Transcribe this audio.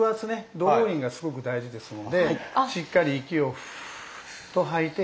ドローインがすごく大事ですのでしっかり息をフーッと吐いてへこまします。